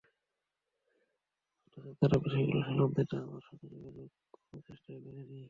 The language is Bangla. অথচ তাঁরা বিষয়গুলো সামাল দিতে আমার সঙ্গে যোগাযোগের কোনো চেষ্টাই করেননি।